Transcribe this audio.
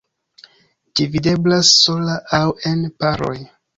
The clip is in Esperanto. Ĝi videblas sola aŭ en paroj.